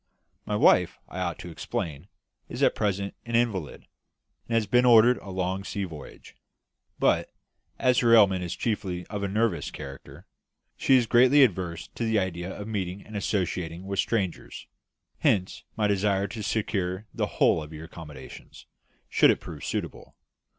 My wife, I ought to explain, is at present an invalid, and has been ordered a long sea voyage; but, as her ailment is chiefly of a nervous character, she is greatly averse to the idea of meeting and associating with strangers; hence my desire to secure the whole of your accommodation, should it prove suitable.